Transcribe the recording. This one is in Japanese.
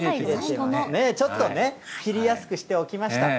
ちょっと切りやすくしておきました。